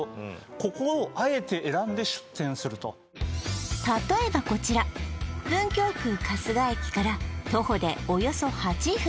ここをあえて選んで出店すると例えばこちら文京区春日駅から徒歩でおよそ８分